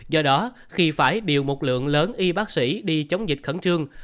do đó khi phải điều một lượng lớn y bác sĩ đi chống dịch khẩn trương